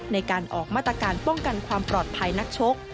ในการออกมาตรการป้องกันความปลอดภัยนักชก